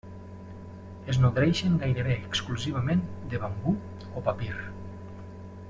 Es nodreixen gairebé exclusivament de bambú o papir.